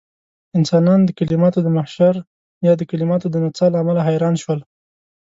انسانان د کليماتو د محشر يا د کليماتو د نڅاه له امله حيران شول.